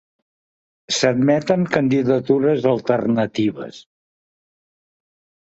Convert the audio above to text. S'admeten candidatures alternatives.